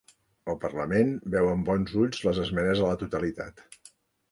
El parlament veu amb bons ulls les esmenes a la totalitat